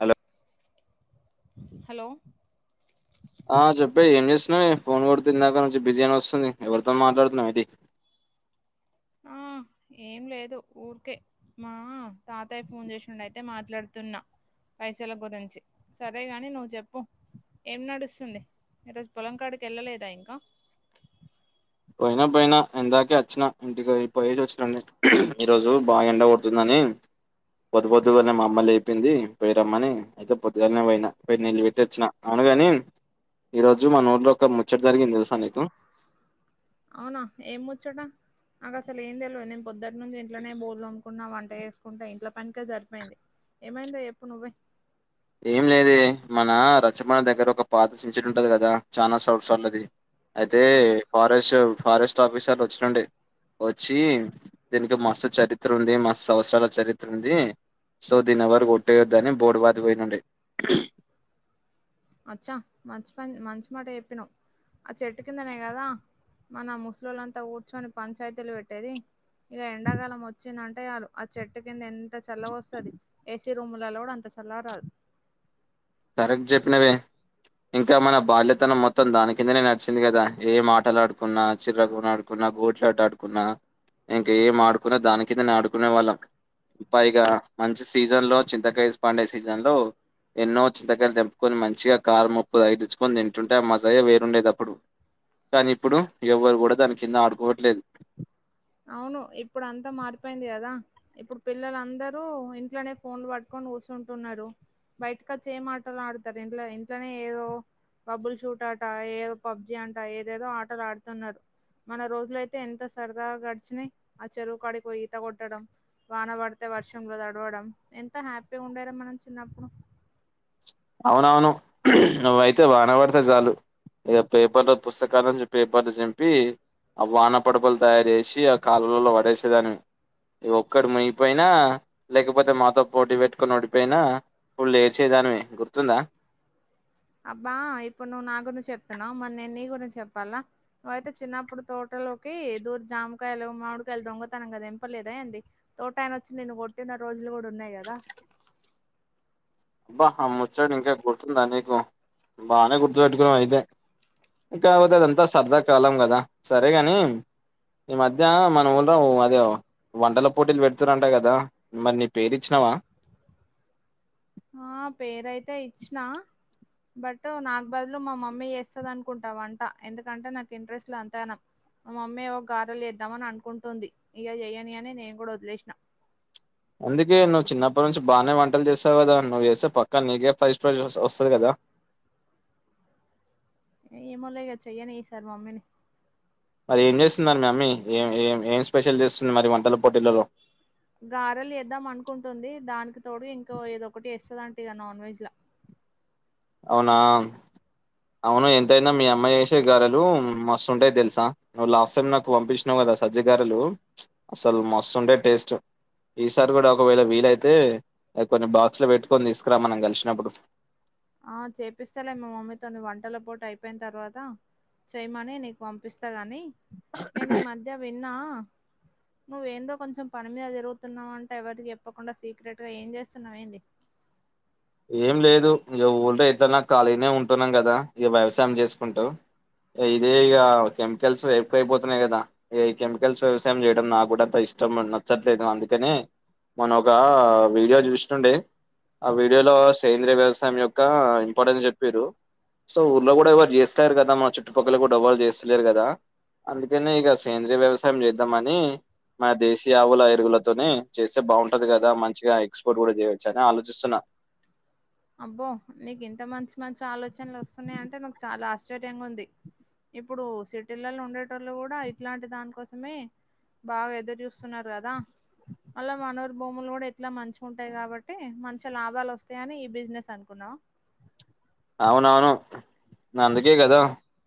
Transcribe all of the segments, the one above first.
Hello hello ఆ చెప్పే ఏం చేస్తున్నావే ఫోన్ కొడుతిన్నాాక నుంచి బిజీ అని వస్తుంది ఎవరితో మాట్లాడుతున్నావు ఏటి ఆ ఏం లేదు ఊరికే మా తాతయ్య ఫోన్ చేసినడు అయితే మాట్లాడుతు న్నా పైసల గురించి సరే గాని నువ్వు చెప్పు ఏం నడుస్తుంది ఈరోజు పొలంకాడికి వెళ్ళలేదా ఇంకా పోయినా పోయినా ఎందాకే వచ్చినా ఇంటికి పోయేసి వచ్చాండి ఈరోజు బాగా ఎండ కొడుతుందని పొద్ పొద్దుగానే మా అమ్మలు అయిపోయింది పోయి రమ్మని అయితే పొద్దుగానే పోయినరు నిలు పెట్టటి వచ్చిన అని ఈ రోజు మానూరులో ఒక ముచ్చట జరిగింది తెలుసా నీకు అవునా ఏం ముచ్చట నాకసలు ఏం తెలవదు నేను పొద్దుటి నుంచి ఇంట్లోనే బోర్లు అనుకున్న వంట వేసుకుంటా ఇంట్లో పనికే సరిపోయింది ఏమైందో చెప్పు నువ్వే ఏం లేదే మన రచ్చబండ దగ్గర ఒక పాత చింతచేటు ఉంటది కదా చాలా సంవత్సరలది అయితే ఆ ఫారెస్ట్ ఫారెస్ట్ ఆఫీసర్లు వచ్చినడే వచ్చి దీనికి మస్తు చరిత్ర ఉంది మస్తు సంవత్సరల చరిత్ర ఉంది సో దీని ఎవరు కొట్టేయొద్దని బోర్డు పత్తి పోయినండి అచ్చా మంచి పని మంచి మాటే చెప్పినవ్ ఆ చెట్టు కిందనే కదా మన ముసలిళ్లంతా కూర్చుని పంచాయతీలు పెట్టేది ఇక ఎండాకాలం వచ్చిందంటే చాలు ఆ చెట్టు కింద ఎంత చల్ల వస్తుంది ఏ సి రుూములలో కుడా అంత చల్లగా రాదు కరెక్ట్ చెప్పినవే ఇంకా మన బాల్యతనం మొత్తం దాని కిందనే నడిచింది కదా ఏ ఆటలు ఆడుకున్నా చిర్రకుడుకున్నా గోడ్లాట ఆడుకున్నా ఇంకా ఏం ఆడుకున్నా దాని కిందనే ఆడుకునే వాళ్ళం పైగా మంచి సీజన్ లో చింతకాయ పండే సీజన్ లో ఎన్నో వ దగ్గర తెంపుకొని మంచిగా కారు ముప్పు తగిలిచుకొని తింటుంటే ఆ మజయే వేరుండేదప్పుడు కానీ ఇప్పుడు ఎవ్వరు కూడా దాని కింద ఆడుకోవట్లేదు అవును ఇప్పుడు అంతా మారిపోయింది కదా ఇప్పుడు పిల్లలందరూ ఇంట్లోనే ఫోన్లు పట్టుకుని కూూచుంటున్నారు బయటకి వచ్చి ఏం ఆటలు ఆడుతారు ఇంట్ ఇంట్లోనే ఏదో బబ్బుల్ షూట్ ఆట ఏదో పబ్జి అంట ఏదేదో ఆటలు ఆడుతున్నారు మన రోజుల అయితే ఎంత సరదాగా గ నై ఆ చెరువు కాడికిపోయ్ ఈత కొట్టడం వాన పడితే వర్షంలో తడవడం ఎంత హ్యాపీ ఉండేర మనం చిన్నప్పుడు అవునవును నువయితే వాన పడితే చాలు ఇగ పేపర్లు పుస్తకాల నుంచి పేపర్లు చింపి ఆ వాన పడపలు తయారు చేసి ఆ కాలువలలో వడేసేదానివి ఒక్కడు మునిగిపోయిన లేకపోతే మాతో పోటీ పెట్టుకొని ఓడిపోయిన ఫుల్ ఏడిచే దానివి గుర్తుంద అబ్బా ఇప్పుడు నువ్వు నా గురించి చెప్తున్నావ్ మరి నేను నీ గురించి చెప్పాలా నువ్వయితే చిన్నప్పుడు తోట లోకి దూర్ జామకాయలు మామిడికాయలు దొంగతనం గ ఎంపలేద ఏంది తోటయన వచ్చి నిన్ను కొట్టిన రోజులు కూడ ఉన్నాయి కద అబ్బా అ ముచ్చాట ఇంకా గుర్తుంద నీకు బానే గుర్తు పేట్టుకున్నావ్ అయితే కాకపోతే అదంతా సరదా కాలం కద సరేగాని ఈ మధ్య మన ఊల అదే వంటల పోటీలు పెడుతురంటా కదా మరి నీ పేరు ఇచ్చిన ప ఆ పేరయితే ఇచ్చిన బట్ నాకు బదులు మా మమ్మీ చేస్తది అనుకుంట వంట ఎందుకంటే నాకు ఇంట్రెస్ట్ లో అంత గణం మమ్మీ ఏవో గారెలేద్దామని ఆన్ అనుకుంటోంది ఇగ చెయని అని నేను కూడ వదిలేసిన అందుకే నువ్వు చిన్నప్పటి నుంచి బానే వంటలు చేస్తావు కదా నువ్ చేస్తే పక్కా నీకే ఫస్ట్ ప్రైజ్ వస్తది కద ఏమో లే ఇగ చెయ్యనీ ఈసార్ మమ్మీని ఏం చేస్తుంది మరి మమ్మీ ఏ ఏ ఏం స్పెషల్ చేస్తుంది మరి వంటల పోటీలలో గారెలు ఎద్దాం అనుకుంటుంది దానికి తోడు ఇంకో ఏదొ ఒకటి ఎస్తదం ద నాన్ వెజ్ల అవునా అవును ఎంతైన మీ అమ్మాయి చేసే గరలు మస్తుంటాయి తెలుసా నువ్వు లాస్ట్ టైం నాకు పంపించినావ్ కద సజ్జిగారేలు ప్చ్ అసలు మస్తుండే టేస్ట్ ఈసారి కూడ ఒకవేళ వీలయితే కొన్ని బాక్సులు పెట్టుకొని తీసుకురా మనం కలిసినప్పుడు ఆ చేపిస్తలే మా మమ్మీతో వంటల పోటీ అయిపోయిన తర్వాత చేయమనీ నీకు పంపిస్త గని నేను ఈ మధ్య విన్నా నువ్వేందో కొంచెం పని మీద తిరుగుతున్నావు అంట ఎవరికి చెప్పకుండ సీక్రెట్ గా ఏం చేస్తున్నావ ఏంది ఏం లేదు ఇగ ఊళ్ళో ఎట్లన్న ఖాళీనే ఉంటున్నాం కద ఇగ వ్యవసాయం చేసుకుంటు ఇదే ఇగ కెమికల్స్ ఎక్కువ అయిపోతున్నాయి కద ఈ కెమికల్స్ వ్యవసాయం చేయడం నా కూడాంత ఇష్ టం నచ్చట్లేదు అందుకని మొన్న ఒక వీడియో చూస్తుండే ఆ వి వీడియో లో సేంద్రియ వ్యవసాయం యొక్క ఇంపార్టెన్స్ చెప్పిర్రు సో ఊర్లో కూడ ఎవరు చేస్తరు కద మన చుట్టుపక్కల కూడ ఎవరు చేస్తలేరు కదా అందుకనే ఇగ సేంద్రీయ వ్యవసాయం చేద్దామని మా దేశీయ ఆవుల ఎరువులతోని చేస్తే బాగుంటది కదా మంచిగా ఎక్స్పోర్ట్ కూడా చేయవచ్చు అని ఆలోచిస్తున్నా అబ్బో నీకు ఇంత మంచి మంచి ఆలోచనలు వస్తున్నాయి అంటే నాక్ చాల ఆశ్చర్యంగా ఉంది ఇప్పుడు సిటీలలో ఉండేటోళ్ళు కూడ ఇట్లాంటి దానికోసమే బాగ ఎదురు చూస్తున్నారు గద అల మనవూరి భూములు కూడా ఎట్లా మంచిగా ఉంటాయి కాబట్టి మంచి లాభాలు వస్తాయని బిజినెస్ అనుకున్నవ అవునవును అందుకే కద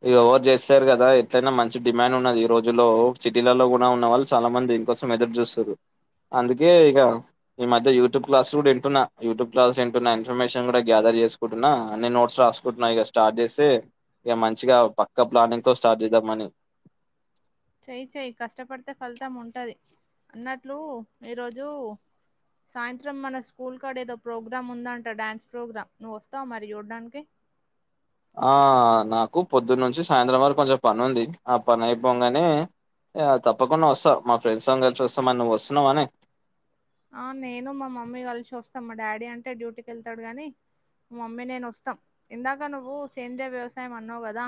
ఇ ఎవరు చేస్తారు కదా ఎట్లయినా మంచి డిమాండ్ ఉన్నది ఈ రోజుల్లో సిటీలలో ఉన్న వాళ్ళు చాల మంది దీనికోసం ఎదురు చూస్తురు అందుకే ఇగ ఈ మధ్య యూట్యూబ్ క్లాస్ కూడాంటున్నా యూట్యూబ్ క్లాస్ంటున్న ఇన్ఫర్మేషన్ కూడా గ్యాదర్ ఎసుకుంటున్నా అన్ని నోట్స్ రాసుకుంటున్నాయి ఇగ స్టార్ట్ చేస్తే ఇగ మంచిగా పక్క ప్లానింగ్ తో స్టార్ట్ చేద్దాంమని చెయి చేయి కష్టపడితే ఫలితం ఉంటది అన్నట్లు ఈరోజు సాయంత్రం మన స్కూల్ కడ ఏదో ప్రోగ్రామ్ ఉందంట డ్యాన్స్ ప్రోగ్రామ్ నువ్వు వస్తావ మరి చూడ్డానికి ఆ నాకు పొద్దున్నుంచి సాయంత్రం వరకు కొంచెం పని ఉంది ఆ పని అయిపోంగనే ఇగ తప్పకుండా వస్తా మా ఫ్రెండ్స్ అందరు చూస్తా మ నువ్వు వస్తున్నావానె ఆ నేను మా మమ్మీ కలిషి వస్తాం మా డాడీ అంటే డ్యూటీకి వెళ్తాడు గని మమమ్మీ నేను వస్తాం ఇందాక నువ్వు సేంద్రీయ వ్యవసాయం అన్నావు గదా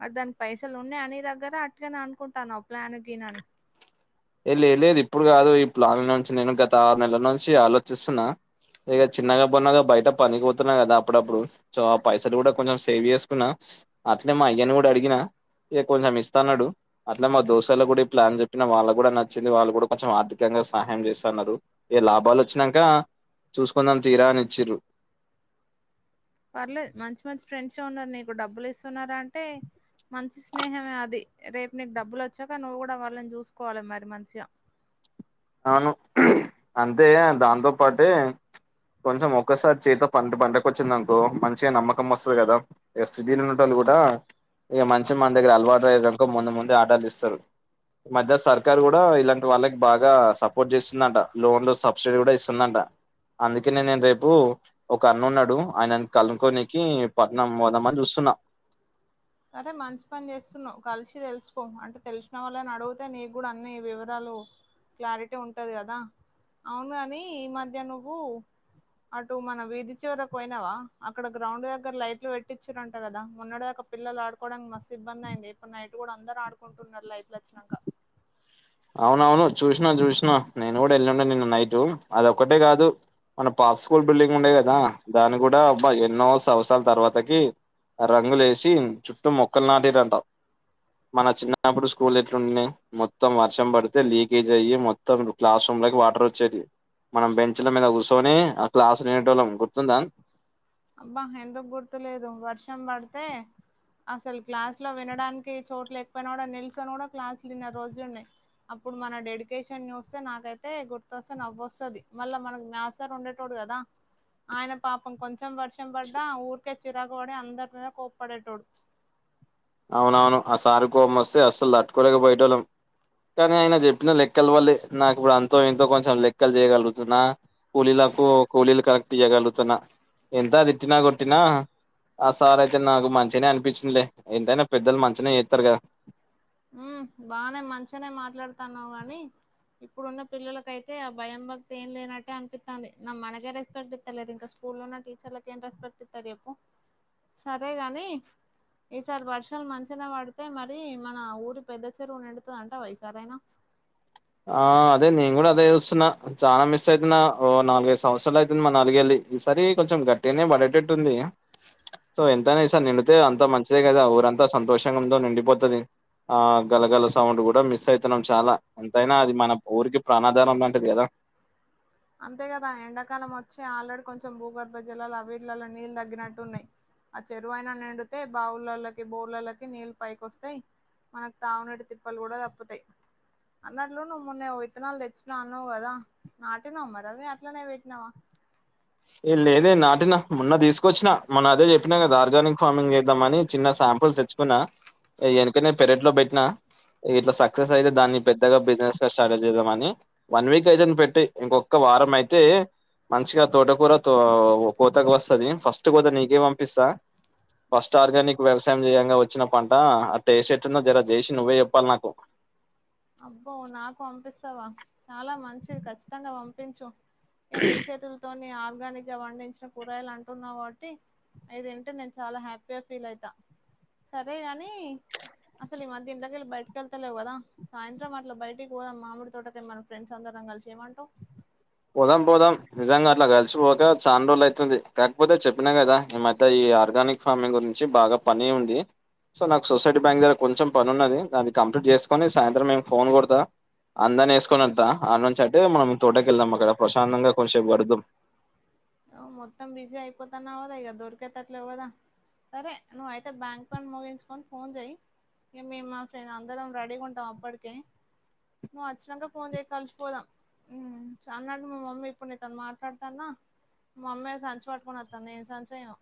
మరి దానిక్ పైసల్ ఉన్నాయ ని దగ్గర అట్టిగనే అనుకుంటానవ ప్లాను గీను అని ఏ లేద్ లేద్ ఇప్పుడు గాదు ఈ ప్లాన్ల నుంచి నేను గత ఆరు నెలల నుంచి ఆలోచిస్తున్నా ఇగ చిన్నగా బొన్నగా బయట పనికిపోతున్నా కదా అప్పుడప్పుడు సో ఆ పైసలు కూడా కొంచెం సేవ్ చేసుకున్నా అట్ల్నె మా అయ్యాను గుడా అడిగిన ఇగ కొంచెం ఇస్తన్నాడు అట్లే మా దోస్తుగాల్ల గుడా ఈ ప్లాన్ చెప్పిన వాళ్ళక్ కూడా నచ్చింది వాళ్ళు కూడా కొంచెం ఆర్థికంగా సహాయం చేస్తున్నారు ఏ లాభాలు వచ్చినంక చూసుకుందాం తీయ్రా అని ఇచ్చిర్రు పర్లేదు మంచి మంచి ఫ్రెండ్స్ఎ ఉన్నారు నీకు డబ్బులు ఇస్తున్నారంటే మంచి స్నేహమే అది రేపు నీకు డబ్బులు వచ్చాక నువ్వు కూడా వాళ్ళని చూసుకోవాలి మరి మంచిగా అను అంతే దాంతో పాటే కొంచెం ఒక్కసారి చేతి పంట పంటకు వచ్చిందనుకో మంచిగా నమ్మకం వస్తది కదా ఎస్డీల ఉండెటోళ్లు కూడా ఇగ మంచి మన దగ్గర అలవాటు అయిండ్రనుకో ముందు ముందే ఆర్డర్లు ఇస్తారు మధ్య సర్కారు కూడా ఇలాంటి వాళ్ళకి బాగా సపోర్ట్ చేస్తుందంట లోన్లు సబ్సిడీ గూడా ఇస్తుందంట అందుకనే నేను రేపు ఒక అన్నున్నడు ఆయనన్ కలుక్కొనికి పట్నం పోదామని చూస్తున్నా అరే మంచి పని చేస్తున్నావ్ కలిసి తెలుసుకో అంటే తెలిసిన వాళ్ళని అడుగుతే నీకు కూడా అన్ని వివరాలు క్లారిటీ ఉంటది గదా అవును గని ఈ మధ్య నువ్వు అటు మన విధి చివర పోయినవా అక్కడ గ్రౌండ్ దగ్గర లైట్లు పెట్టిచ్చిరంట కదా మొన్నడిదక పిల్లలు ఆడుకోవడానికి మస్తు ఇబ్బంది అయింది ఇప్పుడు నైట్ కూడా అందరాడుకుంటున్నారు లైట్లు వచ్చినంక అవునవును చూసినా జుసినా నేను కూడా వెళ్ళింన నిన్న నైటు అదొక్కటే కాదు మన పాత్స్కూల్ బిల్డింగ్ ఉండేది కదా దాని కూడా అబ్బ ఎన్నో సంవత్సరాల తర్వాతకి రంగులేషి చుట్టూ మొక్కలు నాటిరంట మన చిన్నప్పుడు స్కూల్ ఎట్లుండనె మొత్ త్తం వర్షం పడితే లీకేజ్ అయ్యి మొత్తం క్లాస్ రూమ్లకి వాటర్ వచ్చేటివి మనం బెంచ్ల మీద కూసొని ఆ క్లాస్నినేటోళ్ళం గుర్తుందా అబ్బా ఎందుకు గుర్తులేదు వర్షం బడితే అసలు క్లాస్ లో వినడానికి చోట్ల ఎక్కపోయినా కూడా నిల్చొని కూడా క్లాసులు ఇన్నా రోజులున్నాయ్ అప్పుడు మన డెడికేషన్ చూస్తే నాకైతే గుర్తొస్తే నవ్వోస్తది మళ్ళా మనకి మ్యాసార్ ఉండేటోడు గదా ఆయన పాపం కొంచెం వర్ షంపడ్డా ఆ ఊరికే చిరాకు పడి అందరి మీద కోప్పడేటోడు అవునవును ఆ సారు కోపమస్తే అస్సలు తట్టుకోలేక పోఎటోళ్ళం కానీ ఆయన చెప్పిన లెక్కల వల్లే నాకు ఇప్పుడు అంతో ఇంతో కొంచెం లెక్కలు చేయగలుగుతున్నా కూలీల కు కూలీలు కరెక్ట్ చేయ్యగలుగుతున్నా ఎంత తిట్టినా కొట్టినా ఆ సార్ అయితే నాకు మంచినే అనిపించిందిలే ఎంతైనా పెద్దలు మంచినే చేస్తారు కదా. ఉమ్ బానే మంచిగానే మాట్లాడుతున్నావు గాని ఇప్పుడున్న పిల్లలకైతే ఆ భయం భక్తి ఏం లేనట్టే అనిపిత్తంది నా మనకే రెస్పెక్ట్ ఇత్తలేదు ఇంకా స్కూల్లో నా టీచర్లలకు ఏం రెస్పెక్ట్ ఇత్తారు ఎప్పు సరే గాని ఈసారి వర్షాలు మంచిన పడితే మరి మన ఊరి పెద్ద చెరువునిండుతాదంటావా ఈ సారయినా ఆ అదే నేను కూడా అదే చూస్తున్నా, చానా మిస్ అవుతున్నా ఓ నాలుగైదు సంవత్సరాలు అవుతుంది మా నాలుగళ్లి ఈ సారి కొంచెం గట్టిగానే పడేటట్టుంది. సో ఎంతైనా ఈసారి నిండితే అంత మంచిదే కదా ఊరంతా సంతోషంగా ఉందో నిండిపోతది. ఆ గలగల సౌండ్ కూడా మిస్ అయితున్నాం చాలా ఎంతైనా అది మన ఊరికి ప్రాణదానం లాంటిది కదా. అంతే కదా ఎండాకాలం వచ్చి ఆల్రెడీ కొంచెం భూగర్భ జలాలు అవర్లలో నీళ్లు తగ్గినట్టున్నాయి. ఆ చెరువయినా నిండితే బావులలోకి, బోర్లలకి నీళ్ళు పైకి వస్తాయి. మనకు తావునెడు తిప్పలు కూడా తప్పుతాయి అన్నట్లో నువ్వు మొన్న ఇత్నాళ్ తెచ్చినావ్ అన్నావు గద ఆ నమ్మదవే అట్లానే భేట్నావా? ఇల్ ఏదే నాటినా మొన్న తీసుకొచ్చినా మొన్న అదే చెప్పినా కదా ఆర్గానిక్ ఫార్మింగ్ చేద్దామని చిన్న శాంపుల్ తెచ్చుకున్నా. ఏ వెనకనే పెరట్లో పెట్టినా ఇట్లా సక్సెస్ అయితే దాన్ని పెద్దగా బిజినెస్ గా స్టార్ట్ల్ చేద్దామని వన్ వీక్ అయితంది పెట్టి ఇంకొక వారం అయితే మంచిగా తోటకూర తో కోతకు వస్తది ఫస్ట్ కోత నీకే పంపిస్తా. ఫస్ట్ ఆర్గానిక్ వ్యవసాయం చేయంగా వచ్చిన పంట ఆ టేస్ట్ ఎట్టుందో జరా చేసి నువ్వే చెప్పాలి నాకు అబ్బో నాకు పంపిస్తావా చాలా మంచిది ఖచ్చితంగా పంపించు. ఇ నీచేతులతోని ఆర్గానిక్ గా వండించిన కూరయలు అంటున్నాబట్టి అయితింటే నేను చాలా హ్యాపీగా ఫీల్ అయితా సరే గాని అసలు ఇ మధ్య ఇండ్ల కెళ్ళి బయటకెళ్తాలేవు గదా సాయంత్రం అట్లా బయటికి పోదాం మామిడి తోటకే మన ఫ్రెండ్స్ అందరం కలిసి ఏమంటావ్ పోదాం పోదాం నిజంగా అట్లా కలిసిపోక చాలా రోజులు అయితుంది. కాకపోతే చెప్పినా గదా ఈ మధ్య ఇ ఈ ఆర్గానిక్ ఫార్మింగ్ గురించి బాగా పని ఉంది. సో నాకు సొసైటీ బ్యాంక్ దగ్గర కొంచెం పని ఉన్నది. దాన్ని కంప్లీట్ చేసుకొని సాయంత్రం మేము ఫోన్ కొడతా అందన్ని వేసుకునింత అ నుంచి అంటే మనం తోట ఎల్లమ్మ కాడ ప్రశాంతంగా కొంసేపు గడుద్దాం ఆ మొత్తం బిజి ఆయిపోతన్నావ్ గదా ఇగ దోరికేతట్లే వధా సరే నువ్ అయితే బ్యాంక్ పని ముగించుకొని ఫోన్ చెయ్ ఏ మే మా ఫ్రెండ్ అందరం రెడీగా ఉంటాం అప్పటికే నువ్వు అచ్చినంక పోన్ చేయ్ కలిసి పోదాం ఉమ్ చానంటే మా మమ్మీ ఇప్పుడు నీతో మాట్లాడతన్న మమ్మె సంచి పట్టుకుని వత్తాంది ఏ సంచో ఏమో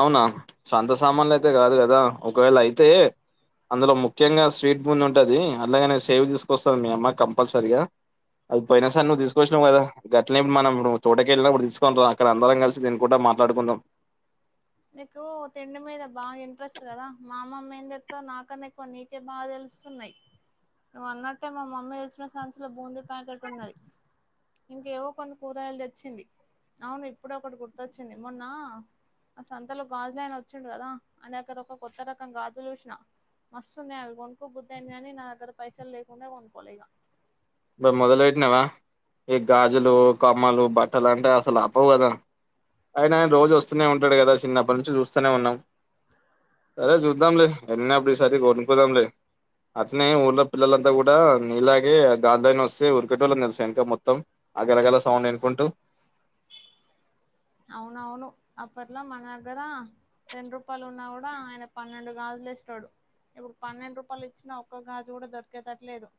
అవునా సంత సామాన్లు అయితే కాదు కదా ఒకవేళ అయితే అందులో ముఖ్యంగా స్వీట్ బూంది ఉంటది. అలాగనే సేవ్ తీసుకొస్తది మీ అమ్మ కంపల్సరిగా అది పోయినా సారి నువ్ తీస్కొచ్చినావు గదా గట్లే మనం నువు తోటకేళ్ళినప్పుడు తీసుకుని రా అక్కడ అందరం కలిసి తినుకుంటాం. మాట్లాడుకుందాం నీకు తిండి మీద బాగా ఇంట్రెస్ట్ కదా. మా అమ్మమ్మ ఏం చెప్తది నాకన్నా ఎక్కువ నీకే బాగా తెలుసు. సున్నాయ్ నువ్వు అన్నట్టే మా మమ్మీ తెచ్చిన సంచిలో బూందీ ప్యాకెట్ ఉన్నది. ఇంకేవో కొన్ని కూరగాయలు తెచ్చింది అవును ఇప్పుడే ఒకటి గుర్తొచ్చింది మొన్న ఆ సంతలో గాజులు అయినా వచ్చిండు కదా అని అక్కడ ఒక కొత్త రకం గాజులు చూసిన మస్తున్నాయి అవి కొనుక్కకోబుద్దుయింది కానీ నా దగ్గర పైసలు లేకుండా కొనుక్కలేక మరి మొదలెటినవా ఈ గాజులు కమ్మలు బట్టలు అంటే అసలు ఆపవు కదా అయిన అయన రోజు వస్తూనే ఉంటాడు కదా చిన్నప్పటి నుంచి చూస్తూనే ఉన్నాం సరే చూద్దాంలే ఎలనప్పుడు ఈసారి కొనుకుందాంలే అట్నే ఊర్ళ పిల్లలంతా కూడా నీలాగే గాజులయన వస్తే ఉరికేటోలం తెల్సా ఎనక మొత్తం ఆగలగల సౌండ్ ఎనుకుంటూ అవునవును అప్పట్లో మన దగ్గర రెండు రూపాయలు ఉన్నా కూడా బ ఆయన పన్నెండు గాజులు ఎస్టోడు ఇప్పుడు పన్నెండు రూపాయలు ఇచ్చినా ఒక్క గాజు కూడా దొరికేదట్లేదు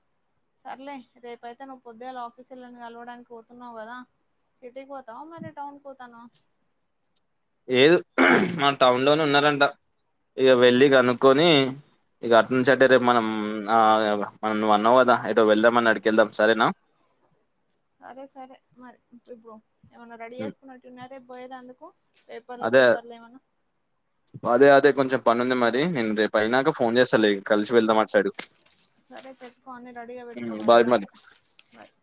సర్లే రేపైతే నువ్వు పొద్దుగాల ఆఫీసొలని కలవడానికి పోతున్నావు కదా సిటీకీ పోతవ మరి టౌన్ కీ పోతన్నావా లేదు మన టౌన్ లోనే ఉన్నారంట ఇక వెళ్లి కనుక్కొని ఇక అట్లుంచే అటే రేపు మనం ఆ మనం నువ్వు అన్నావ్ కదా ఎటో వెళ్దామ అని అడికి వెళ్దాం సరేనా సరే సరే మరి ఇప్పుడు ఏమన్నా రెడీ ఉమ్. చేసుకున్నటిన్నరే రేపు పోయాటందుకు అదే అదే అదే కొంచెం పనుంది మరి నేను రేపు అయినాక ఫోన్ చేస్తాలె కలిసి వెళ్దాం అట్సైడ్ సరే పెట్టుకో అన్నీ రెడీగా పెట్టుకోమరి బాయ్ బాయ్